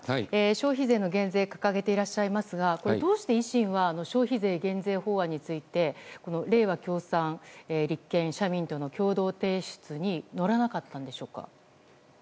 消費税の減税掲げていらっしゃいますがどうして維新は消費税減税法案についてれいわ、共産、立憲社民との共同提出に乗らなかったんでしょうか。